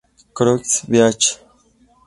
Croix Beach.